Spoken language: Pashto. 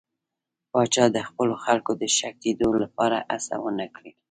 پاچا د خپلو خلکو د ښه کېدو لپاره هېڅ ونه کړل.